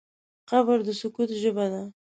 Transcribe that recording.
قبر د سکوت ژبه ده.